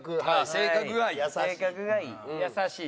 「性格がいい」。